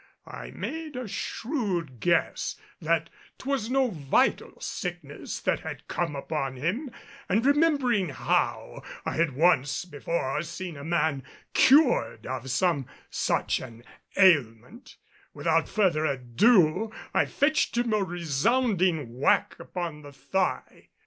I made a shrewd guess that 'twas no vital sickness that had come upon him, and remembering how I had once before seen a man cured of some such an ailment, without further ado I fetched him a resounding whack upon the thigh.